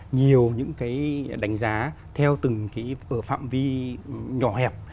nhiều những cái đánh giá theo từng cái phạm vi nhỏ hẹp